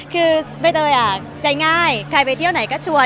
คือไม่เคยอะใจง่ายใครไปเที่ยวไหนก็ชัวร์